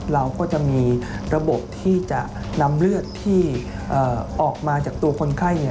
เราก็จะมีระบบที่จะนำเลือดที่ออกมาจากตัวคนไข้